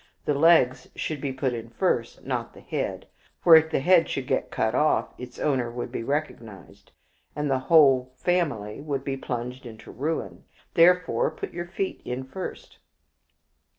The legs should be put in first, not the head. For if the head should get cut off, its owner would be recognized, and his whole family would be plunged into ruin. Therefore put your feet in first."